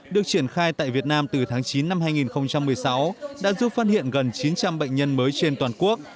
được triển khai tại việt nam từ tháng chín năm hai nghìn một mươi sáu đã giúp phát hiện gần chín trăm linh bệnh nhân mới trên toàn quốc